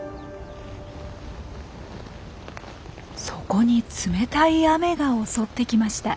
そこに冷たい雨が襲ってきました。